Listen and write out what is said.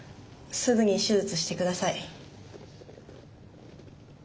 すぐに手術して下さい。